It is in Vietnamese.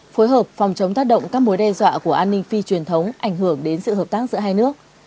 phối hợp phòng chống tác động các mối đe dọa của an ninh phi truyền thống ảnh hưởng đến sự hợp tác giữa hai nước